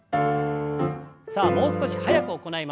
さあもう少し早く行います。